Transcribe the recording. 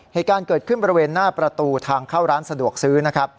เหตุการณ์เกิดขึ้นบริเวณหน้าประตูทางเข้าร้านสะดวกซื้อนะครับ